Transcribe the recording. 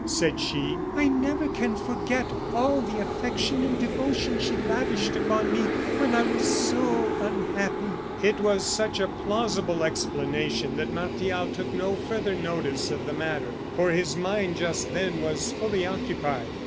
said she. "I never can forget all the affection and devotion she lavished upon me when I was so unhappy." It was such a plausible explanation that Martial took no further notice of the matter, for his mind just then was fully occupied.